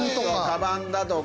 カバンだとか。